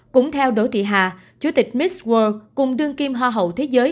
cũng theo đội thị hà chủ tịch miss world cùng đương kim hoa hậu thế giới